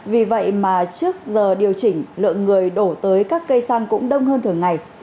vì vậy mà trước giờ điều chỉnh lượng người đổ tới các cây xăng cũng đông hơn thường ngày